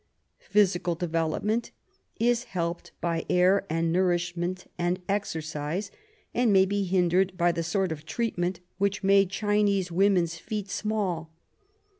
Physical development is helped by air and nourishment and exercise, and may be hindered by the sort of treatment which made Chinese women's feet small.